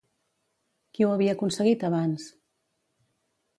Qui ho havia aconseguit abans?